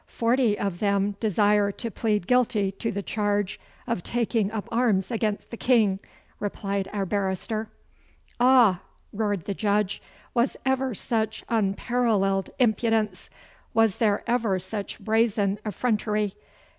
'Forty of them desire to plead guilty to the charge of taking up arms against the King,' replied our barrister. 'Ah!' roared the Judge. 'Was ever such unparalleled impudence? Was there ever such brazen effrontery?